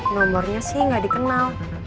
nomornya sih gak dikenal